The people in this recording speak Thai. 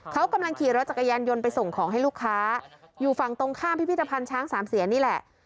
เขากำลังขี่รถจักรยานยนต์ไปส่งของให้ลูกค้าอยู่ฝั่งตรงข้ามพิพิธภัณฑ์ช้างสามเสียนนี่แหละ